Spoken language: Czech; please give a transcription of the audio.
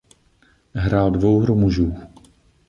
Hrál dvouhru mužů.